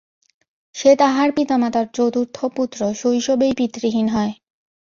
সে তাহার পিতামাতার চতুর্থ পুত্র, শৈশবেই পিতৃহীন হয়।